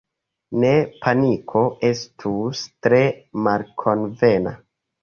Ne, paniko estus tre malkonvena.